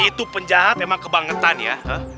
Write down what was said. itu penjahat emang kebangetan ya